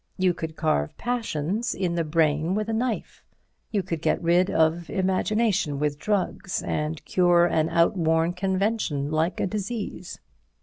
You could carve passions in the brain with a knife. You could get rid of imagination with drugs and cure an outworn convention like a disease.